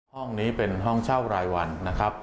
ห้องนี้เป็นห้องเช่ารายวรรณ์